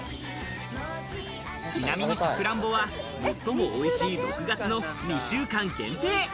ちなみにさくらんぼは、最もおいしい６月の２週間限定。